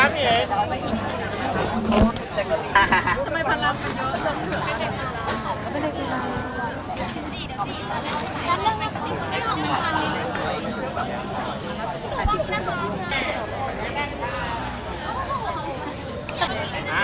ดีมากค่ะน้องทำงานได้ดีมากค่ะ